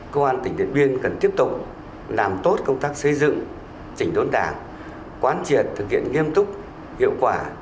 công an tỉnh điện biên cần tiếp tục làm tốt công tác xây dựng chỉnh đốn đảng quán triệt thực hiện nghiêm túc hiệu quả